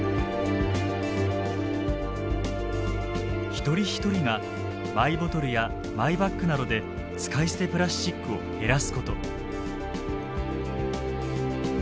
一人一人がマイボトルやマイバッグなどで使い捨てプラスチックを減らすこと。